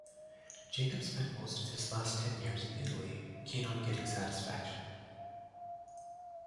Jakob spent most of his last ten years in Italy keen on getting satisfaction.